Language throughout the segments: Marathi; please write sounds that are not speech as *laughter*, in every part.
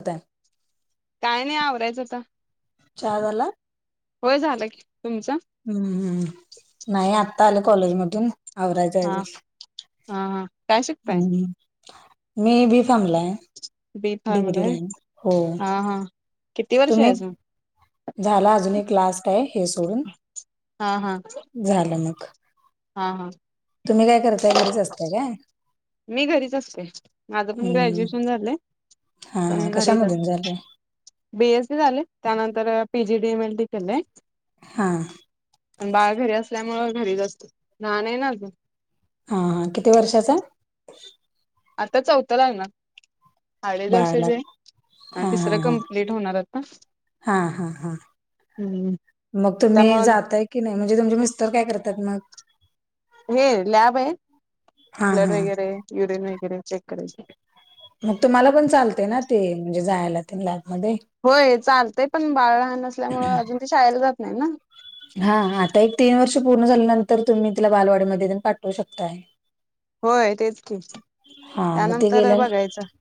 होता. काय नाही आवरायचचाय. चहा आवरला? होय झालं की, तुमचं? हम्म, नाही आत्ता आले कॉलेज मधून आवरायचं हा अजून. हा हा. काय शिकताय हम्म, मी बी थांबलाय. बी फार्मला डिग्री आहे नाही हो, हा हा किती वर्ष आहे तुम्ही? अजून झाला अजून एक लास्ट आहे हे सोडून, हा हा झालं मग. हा हा. तुम्ही काय करताय घरीच असताय काय? मी घरीच असतोय माझं पण हम्म ग्रॅज्युएशन झालंय. हा हा पण घरीच कशामधून असतोय. झालंय बी. एस. सी झालंय त्यानंतर P. G. D M. L. D. केलेय. हां. पण बाळ घरी असल्यामुळं घरीच असतो, लहान आहे ना आजून. हा हा किती वर्षाचा? आता चौथ लागणार, अडीच बाळाला वर्षोची हाय. हा हा हा, हा हा हा. हम्म मग तुम्ही त्यामुळं जातंय की नाही, म्हणजे तुमचे मिस्टर काय करत्यात मग? हे लॅब आहे, हा ब्लड हा वगैरे युरिन वगैरे चेक करायचं. मग तुम्हाला पण चालतय ना ते, म्हणजे जायला वगैरे लॅबमध्ये. होय चालतंय पण, बाळ लहान असल्यामुळें, अजून ते शाळेला जात नाही ना. हा, आता एक तीन वर्ष पूर्ण झाल्यानंतर तुम्ही तिला बालवाडीमध्ये तेण पाठवू शकताय. होय तेच की, हा मग ते त्यानंतर गेल्या बघायचं.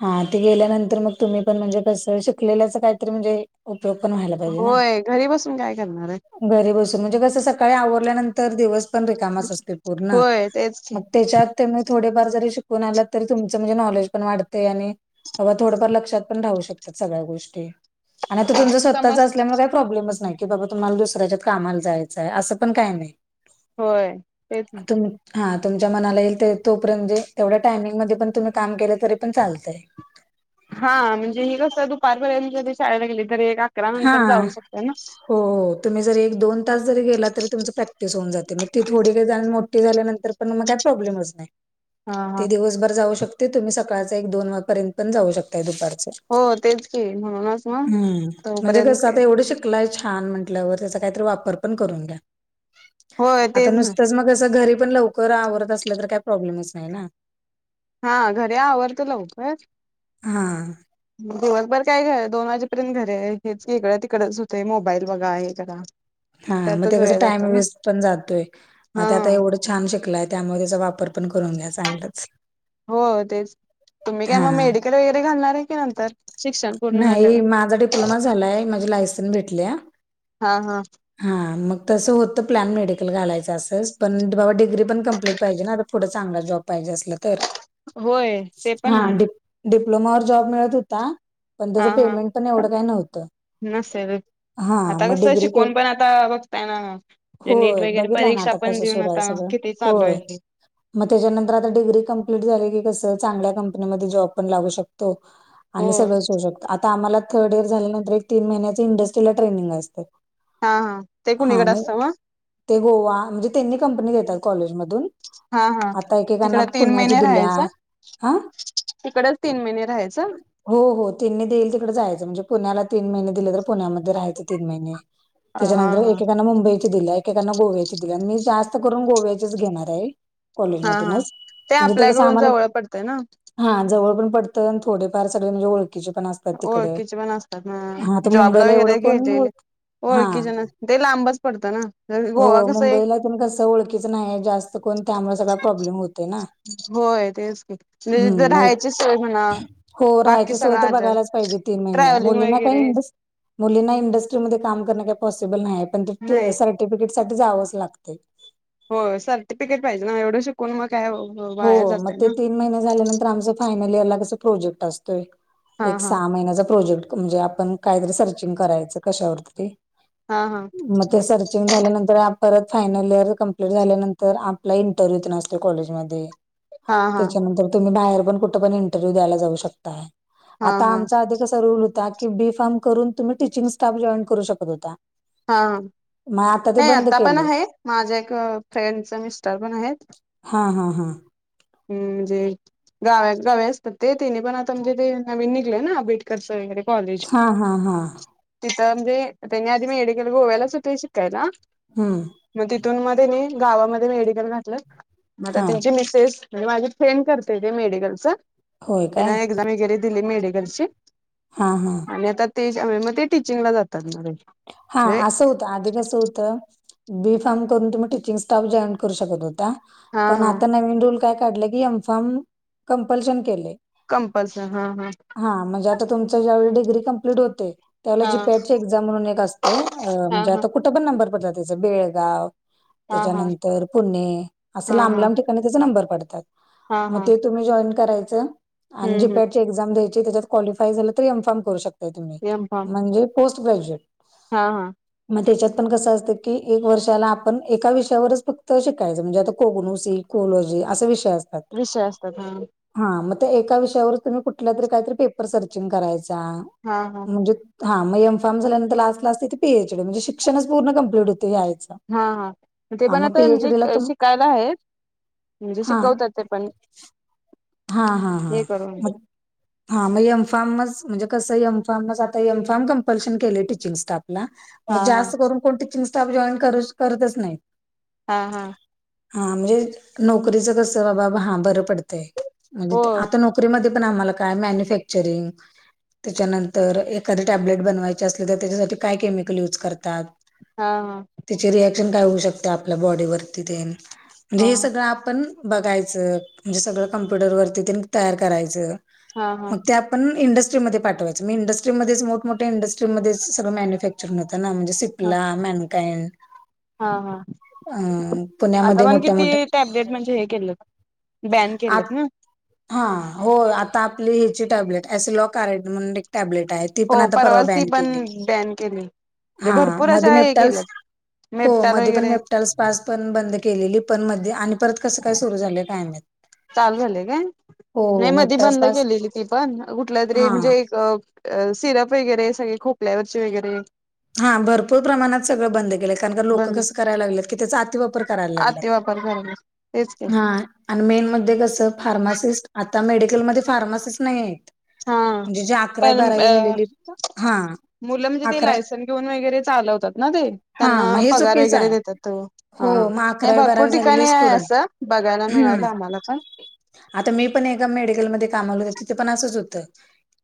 हा, ते गेल्यानंतर मग तुम्ही पण म्हणजे कसं, शिकलेल्याच काहीतरी म्हणजे उपयोग पण व्हायला पाहिजे ना. होय घरी बसून काय करणार हाय? घरी बसून म्हणजे कसं, सकाळी आवरल्यानंतर दिवस पण रिकामाच असतोय पूर्ण, होय तेच की त्यच्यात तुम्ही थोडेफार जरी शिकून आलात तरी तुमचं म्हणजे नॉलेज पण वाढतंय आणि बाबा थोडंफार लक्षात पण राहू शकतात, सगळ्या गोष्टी. आणि आता तुमचं स्वतःचं समज असल्यामुळे काही प्रॉब्लेमच नाही. की बाबा तुम्हाला दुसऱ्याच्यात कामाला जायचंय, असं पण काही नाही होय तेच तुम हा तुमच्या मनाला येईल ते, तोपर्यंत म्हणजे तेवढ्या टायमिंग मध्ये पण, तुम्ही काम केलं तरी पण चालतंय. हा, म्हणजे ही कसं दुपारपर्यंत जरी शाळेला गेली, तरी एक अकरा हा नंतर जाऊ शकतोय ना. हो हो, तुम्ही जरी एक दोन तास जरी गेला तर तुमचं प्रॅक्टिस होऊन जातंय, मग ती थोडी निदान मोठी झाल्यानंतर नंतर म काही प्रॉब्लेमच नाही‌. हा हा ते दिवसभर जाऊ शकते, तुम्ही सकाळचं एक- दोन पर्यंत पण जाऊ शकताय दुपारचं. हो तेच की, म्हणूनच म हम्म जाऊ म्हणजे कसं आता एवढं शिकलाय छान, म्हटल्यावर त्याचा काहीतरी वापर पण करून घ्या. होय आता तेच ना नुसतंच म कसं घरी पण लवकर आवरत असलं तर काही प्रॉब्लेमच नाही ना. हा, घरी आवरतं लवकर हा. दिवसभर काय घर दोन वाजेपर्यंत घरी आहे हे इकडं तिकडंच होतंय, मोबाईल बघा हे करा हा, मग त्यातच ते कसं वेळ टाइम जातो ना वेस्ट पण जातोय, मग हा ते आता एवढं छान शिकलाय त्यामुळे त्याचा वापर पण करून घ्या चांगलाच. हो तेच,, तुम्ही काय हा. मग मेडिकल वगैरे घालणार आहे क नंतर? शिक्षण पूर्ण झाल्यावर. नाही, माझा डिप्लोमा झालाय, माझे लायसन्स भेटल्या. हा हा. हा, मग तसं होतं प्लॅन मेडिकल घालायचं असं, पण बाबा डिग्री पण कंप्लीट पाहिजे ना आता पुढं चांगला जॉब पाहिजे असलं तर. होय, ते पण हाय. डिप्लोमा वर जॉब मिळत होता, पण हा त्याचं हा. पेमेंट पण एवढं काय नव्हतं. नसेल हा आता मग कसं डिग्री के शिकुण पण आता बघताय ना,, नीट होय वगैरे बघितलाय ना परीक्षा आता पण कसं देऊन आता किती चालू आहे की. म त्याच्यानंतर आता डिग्री कमप्लीट झाली की कसं, चांगल्या कंपनीमध्ये जॉब पण लागू शकतोय. हो आणि सगळंच होऊ आता आम्हाला थर्ड इयर झाल्यानंतर एक तीन महिन्याचं इंडस्ट्रीला ट्रेनिंग असतय हा हा, ते कुणीकडं असतं म? ते गोवा, म्हणजे त्यांनी कंपनी देतात कॉलेजमधून. हा हा. आता एकेकांना तिकडं तीन पुण्याची महिने दिल्या,, राहायचं. हं तिकडच तीन महिने राहायचं. हो हो, त्यांनी देईल तिकडे जायचं, म्हणजे पुण्याला तीन महिने दिले तर पुण्यामध्ये राहायचं तीन महिने. अ हा त्याच्यानंतर हा. एकेकांना मुंबईची दिल्या एकेकांना गोव्याची दिल्या, मी जास्त करून गोव्याचेच घेणार आहे. हा हा. कॉलेजमधूनच, म्हणजे ते कसं आपल्याकडून आम्हाला जवळ पडतंय ना हा जवळ पण पडतं, आणि थोडेफार सगळे म्हणजे ओळखचे पण आसत आता तिकड ओळखीचे पण असतात ना. हा आता जॉबला मुंबईला एवढं वगैरे कोण ओल गेलेले हा ओळखीचे ना ते लांबच पडतं ना हो गोवा कसं एक मुंबईला तेन कस ओळखीच नाही जास्त स्त कोण त्यामुळ सगळा प्रॉब्लेम होतोय ना. होय तेच की म्हणजे तीथ हं, मग राहायचीच सोय म्हणा हो, बाकी राहायची सोय सगळं तर आलं बघायच पाहिजे तीन महिने ट्रॅव्हलिंग मुलींना का वगैरे मुलींना इंडस्ट्रीमध्ये काम कर काही पॉसिबल नाही पण ते नाही स सर्टिफिकेट साठी जावंच लागतय. होय सर्टिफिकीट पाहिजे ना एवढं शिकून मग काय वाया जातय ना. तीन महिने झाल्यानंतर आमच फायनल इयर ला कस प्रोजेक्ट असतोय हा एक हा सहा महिन्याचा प्रोजेक्ट म्हणजे आपण काहीतरी सर्चिंग करायचं कशावर ते हा हा मग ते सर् चिंग झाल्यानंतर परत फायनल इयर कंप्लीट झाल्यानंतर आपला इंटरव्ह्यू तेन असतोय कॉलेजमध्ये हा हा त्याच्यानंतर तुम्ही बाहेर पण कुठ पण इंटरव्ह्यू द्यायला जाऊ शकता. हा आता हा हा आमचा आधी कसा रुल होता की बी फार्म करून तुम्ही टीचिंग स्टाफ जॉईन करू शकत होता हा मग ते नाही बंद आता पण केलंय. आहेत माझ्या एक फ्रेंडच मिस्टर पण आहेत हा हा हा. ह् म्हणजे गाव गावी असतात ते तिनि पण आता म्हणजे ते नवीन निघलं ना ब कर *unintelligible* वगैरे कॉलेज हा हा हा तिथं म्हणजे त्यांनी आधी मेडीकल गोव्यालाच होत शिकायला हम्म. मग तिथून म त्येंनी गावामध्ये मेडिकल घातलं मग आ हा त्यांची मिसेस म्हणजे माझी फ्रेंड करते ते मेडिकलच होय तीन काय एक्झाम वगैरे दिली मेडिकलची हा हा. आणि आता ते जे आहे मग ते टीचिंगला जातात म ते हा असं होत आधी कस होत बी फार्म करून तुम्ही टीचिंग स्टाफ जॉईन करू शकत होता हा पण हा आता नवीन रूल काय काढलय की एमफार्म कंपल्शन केलय कंपल्शन हा हा.. हा म्हणजे आता तुमच ज्यावेळी डिग्री कंम्प्लीट होते त्यावेळेला जी हा पॅट ची एक्झाम म्हणून एक ते हा म्हणजे हा आता कुठं पण नंबर पडतात त्याच बेळगाव हा हा त्याच्यानंतर पुणे असं हा लांब हा लांब ठिकाणी त्याच नंबर पडतात हा मग हा ते तुम्ही जॉईन करायच आणि हम्म हम्म जीपॅट ची एक्झाम द्यायची त्याच्यात क्वालिफाय झालं तरी एमफार्म करू शकता तुम्ही एम फॉर्म म्हणजे पोस्ट ग्रॅज्युएट हा हा. म त्याच्यात पण कसं असतं की एक वर्षाला आपण एका विषयावरच फक्त शिकायचं म्हणजे आता कोगनोसी कोलॉजी असे विषय असतात. विषय असतात हां. हां म त्या एका विषयावर तुम्ही कुठल्या तरी काहीतरी पेपर सर्चिंग करायचा हा हा. म्हणजे हां मग एम फार्म झाल्यानंतर लास्टला असते ती पी एच डी म्हणजे शिक्षणच पूर्ण कंप्लीट होतंय *unintelligible* हां हां ते पण आता म्हणजे तुम शिकायला आहेत म्हणजे शिकवतात. ते पण. हां हां हां हे करून मग हा मग एम फार्म मच म्हणजे कसं एम फार्मच आता एम फार्म कंपल्शन केले टीचिंग स्टाफला. हा मग हा जास्त करून कोण टीचिंग स्टाफ जॉईन कर करतच नाहीत. हां हां.. हां, म्हणजे नोकरीच कस बाबा हां बरं पडतंय, म्हणजे हो आता नोक रीमध्ये पण आम्हाला काय मॅन्युफॅक्चरिंग त्याच्यानंतर एखादी टॅबलेट बनवायची असली तर, त्याच्यासाठी काय केमिकल यूज करतात? हां हां. त्याची रियाक्शन काय होऊ शकते आपल्या बॉडीवरती तेन, म्हणजे हा हे सगळं आपण बघायचं,, म्हणजे सगळं कंम्प्युटरवरती तेन तयार करायचं, हा हा मग त्यात पण इंडस्ट्रीमध्ये पाठवायचं, मी इंडस्ट्रीमध्ये मोठमोठ्या इंडस्ट्रीमध्ये सगळं मॅन्युफॅक्चेरिंग होतं ना, म्हणजे सी पला मॅनकाइंड हा हा अ पुण्यामध्ये मोठ्या मोठ्या लेट म्हणजे हे केलेत, बॅन केलेत व्हय? हां, हो आता आपली ह्याची टॅब्लेट, ॲसिलॉकारेड म्हणून एक टॅब्लेट आहे. ती पण हो आता परवा परवाच ती बॅन पण केली. बॅन केली, म्हणजे हा भरपूर मध्ये अशा हे मेप्टाल्स केल्यात. हो मेपटाल मध्ये पण वगैरे पास पण बंद केलेली, पण मध्ये आणि परत कसं काय सुरू झालं काय माहित. चालू झालेय काय? हो नाही हो मधी मेपटाल्स बंद पास केलेली ती पण कुठल्या तरी हा म्हणजे एक अ अ सिरप वगैरे सगळे खोकल्यावरचे वगैरे हां भरपूर प्रमाणात सगळं बंद केलंय, कारण का लोकं कसं कराय लागल्यात, की त्याचा अति वापर करायला ला अति वापर करा हां, आणि मेनमध्ये कसं फार्मासिस्ट, आता मेडिकलमध्ये फार्मासिस्ट नाही आहेत. हां, म्हणजे जे अकरावी पण बारावी अ झालेली हा मुलं म्हणजे ते अकरा लायसन घेऊन वगैरे चालवतात ना ते? हा त्यांना मग हे पगार चुकीचं वगैरे आहे. देतात त हो हां,, मग हे अकरावी भरपूर बारावी झालेले ठिकाणी आहे स्टुडंट असं. बघायला हम्म. मिळालं आम्हाला पण. आता मी पण एका मेडिकलमध्ये कामाला होते, तिथं पण असंच होतं.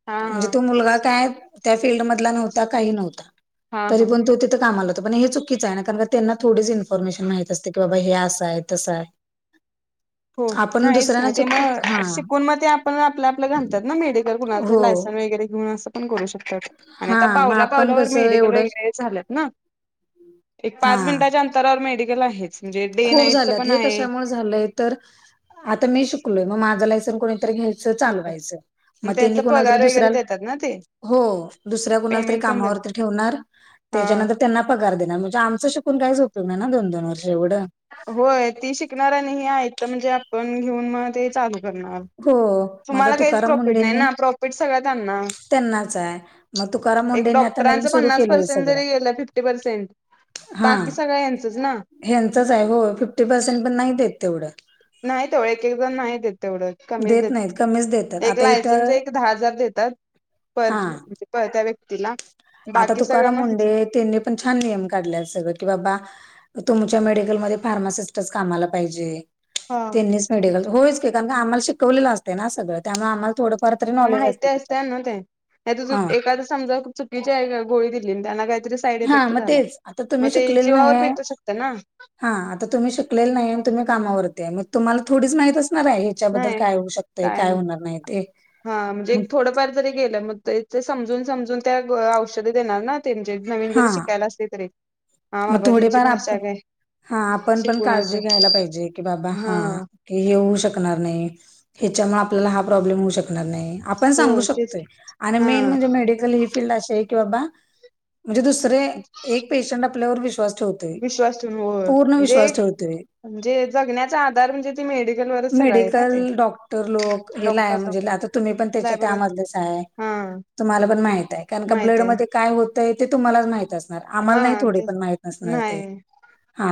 हा म्हणजे तो मुलगा काय, त्या फिल्ड मधला नव्हता काही नव्हता. हा हा तरी हा पण तो तिथं कामाला होता, पण हे चूक कीचं आहे ना, कारण त्यांना थोडीच इन्फॉर्मेशन माहित असते की बाबा हे असं आहे तसं आहे. हो, आपण नाहीच ना दुसऱ्यांना ते चुकीच हा म, शिकून मग ते आपण आपलं आपलं घालतात ना मेडिकल कुणा च हो लायसन वगैरे घेऊन असं पण करू शक आणि हा आता मग पावला आपण पावलावर कसं मेडिकल एवढं वगैरे झाल्यात ना? एक हा पाच मिनिटाच्या अंतरावर मेडिकल आहेच, म्हणजे डे खूप नाईटच झाल्यात पण हे आहे. कशामुळे झालंय तर, आता मी शिकलोय म माझा लायसन कुणी तर घ्यायचं मग चालवायचं, मग त्यांनी त्यांचा कुणाला तर पगार दुसऱ्या वगैरे देतात ना ते हो, दुसऱ्या कुणाला तरी पेमेंट पण देतात कामावरती ठेवणार, हा त्याच्यानंतर त्यांना पगार देणार, म्हणजे आमचं शिकून काहीच उपयोग नाही ना दोन दोन वर्ष एवढं? होय, ती शिकणार आणि ही आयतं म्हणजे आपण घेऊन म ते चालू करणार, हो मग आता तुम्हाला काहीच तुकाराम प्रॉफिट नाही मुंडेंनी ना? प्रॉफिट सगळं त्यांना त्यांनाच आहे मग तुकाराम एक मुंडेंनी आता नवीन डॉक्टरांचं सुरू पन्नास केलंय पर्सेंट सगळं जरी गेलं, फिफ्टी पर्सेंट हा बाकी सगळं यांचंच ना. ह्यांचच आहे,, हो फिफ्टी पर्सेंट पण नाही देत तेवढं. नाही तेवढ, एक एक जण नाही देत तेवढं. कमीच देत देतात, नाहीत कमीच देतात एक आता लायसन्स इथं एक दहा हजार देतात, पर हा पळत्या व्यक्तीला. आता बाकी सगळं तुकाराम मुंडे, माहित त्यांनी पण छान नियम काढले सगळं, की बाबा तुमच्या मेडिकलमध्ये फार्मासिस्टच कामाला पाहिजे, त्यांनीच मेडिकल होयच की कारण की आम्हाला शिकवलेलं असतय ना सगळं त्यामुळे आम्हाला थोडं माहिती असते ना ते नाहीत चू हा एखाद समजा चुकीची गोळी दिली त्यांना काहीतरीस साईड हा इफेक्ट मग झाला तेच आता तुम्ही मग ते शिकलेलं नाही जीवावर आहे, बेतू शकत ना. हा आता तुम्ही शिकलेल नाही आण तुम्ही कामावरती आहे मग तुम्हाला थोडीच माहित असणार आहे हे च्याबद्दल नाही काय होऊ शकतय काय होणार नाही ते. हा म्हणजे मग एक थोडंफार जरी गेलं मग ते ते समजून समजून त्या गो औषधे देणार ना. त्यांचे नवीन हा जरी शिकायला असले तरी हा मग बाबा त्यांची थोडेफार भाषा आपण काय? हा आपण पण शिकून असं काळजी घ्यायला पाहिजे की बाबा हा! हे येऊ शकणार नाही ह्याच्यामुळे आपल्याला हा प्रॉब्लेम होऊ शकणार नाही आप. पन हो सांगू तेच शकतोय की आणि मेन हा म्हणजे मेडी चाल ही फीलल्ड अशी आहे की बाबा म्हणजे दुसरे एक पेशंट आपल्यावर विश्वास ठेव तोय विश्वास ठेवून होय पूर्ण म्हणजे विश्वास एक ठेवतोय. म्हणजे जगण्याचा आधार म्हणजे ते मेडिकल वरच सगळं आहे ना मेडिकल ते डॉक्टर लोक हे लाय डॉक्टर म्हणजे डॉक्टर ल्या आतां तुम्ही पण त्याच्या साहेबरोबर त्यामधलच आहे, हा तुम्हाला पण माहित आहे, कारण का माहित ब्लड आहे मधे काय हो तय ते तुम्हाला माहीत असणार हा आम्हाला नाही थोडे ते माहित असणार ते नाही हा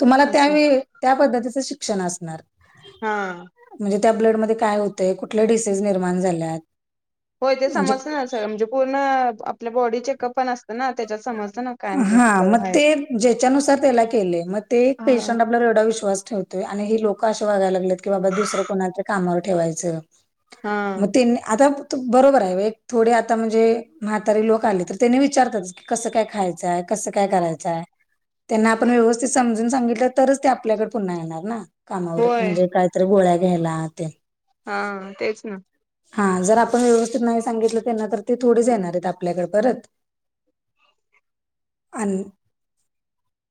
तुम्हाला त्या असं वेळी. त्या पद्धतीच शिक्षण असणार. हा! म्हणजे त्या ब्लडमध्ये काय होतंय, कुठल्या डिसीज निर्माण झाल्या. होय ते समजत ना सगळ म्हणजे पूर्ण आपल्या बॉडी चेकअप पण असतं ना त्याच्यात समजत ना. काय म्हणजे हा कुठं मग आहे ते ज्याच्यानुसार त्याला केलेय मग ते एक पेशंट आपल्यावर एवढा विश्वास ठेव तोय आणि हे लोक असे वागायला लागलेत की बाबा दुसरं कोणाला तरी कामावर ठेवायचं. हा म तेन आता. त बरोबर आहे व्हय थोडे आता म्हणजे म्हातारे लोक आले, तर त्याने विचारतात की कसं काय खाय चं आहे कसं काय करायचंय आहे. त्यांना आपण व्यवस्थित समजून सांगितलं, तरच ते आपल्याकडे पुन्हा येणार ना. कामावर होय म्हणजे काहीतरी गोळ्या घ्यायला ते. हा तेच ना. हा जर आपण व्यवस्थित नाही सांगितलं, त्यांना तर ते थोडेच येणार आहेत आपल्याकडे परत. अन!